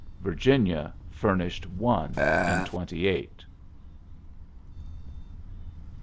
Yirginia famished one n twenty eight.